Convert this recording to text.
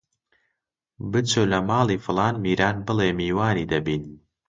بچۆ لە ماڵی فڵان میران بڵێ میوانی دەبین!